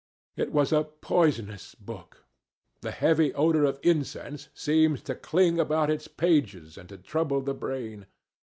It was a poisonous book. The heavy odour of incense seemed to cling about its pages and to trouble the brain.